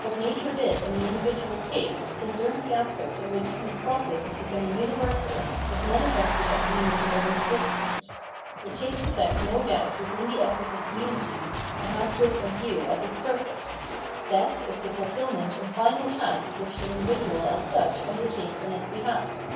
What nature did in the mdividuaTs case, concerns the aspect in which his process of becoming universal is manifested as the movement of an existent. It takes effect no doubt within the ethical community, and has this in view as its purpose : death is the fulfil ment and final task which the iudividual as such under takes on its behalf.